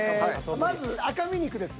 まず赤身肉です。